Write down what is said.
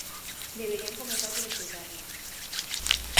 Deberían comezar por escoitarnos.